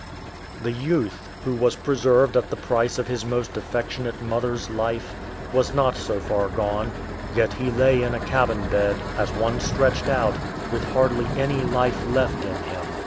The youth, who was preserved at the price of his most affectionate mother's life, was not so far gone; yet he lay in a cabin bed, as one stretched out, with hardly any life left in him.